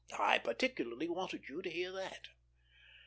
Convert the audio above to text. I particularly wanted you to hear that."